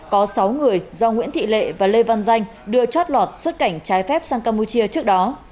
có sáu người do nguyễn thị lệ và lê văn danh đưa chót lọt xuất cảnh trái phép sang campuchia trước đó